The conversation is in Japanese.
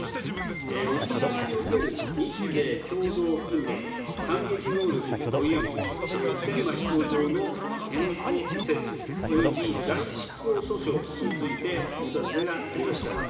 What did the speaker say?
沖縄における日米共同訓練、反撃能力の保有、普天間飛行場の辺野古移設および代執行訴訟についてお尋ねがありました。